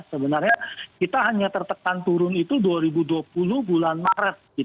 sebenarnya kita hanya tertekan turun itu dua ribu dua puluh bulan maret